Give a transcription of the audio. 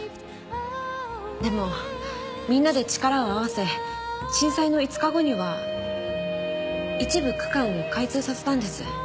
でもみんなで力を合わせ震災の５日後には一部区間を開通させたんです。